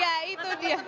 ya itu dia